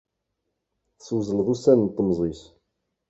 Teswezleḍ ussan n temẓi-s.